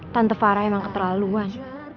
tante farah emang keterlaluan